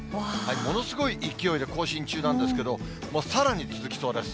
ものすごい勢いで更新中なんですけど、もうさらに続きそうです。